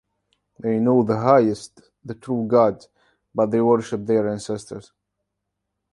They know the highest, the true God, but they worship their ancestors.